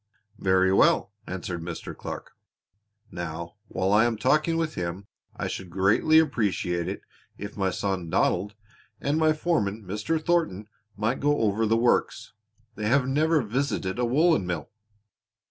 "Very well," answered Mr. Clark. "Now while I am talking with him I should greatly appreciate it if my son Donald, and my foreman, Mr. Thornton, might go over the works. They have never visited a woolen mill."